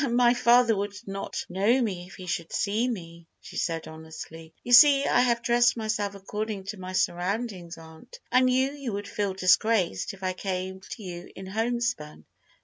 "My father would not know me if he should see me," she said honestly. "You see I have dressed myself according to my surroundings, aunt. I knew you would feel disgraced if I came to you in homespun."